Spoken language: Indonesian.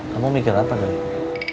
kamu mikir apa gari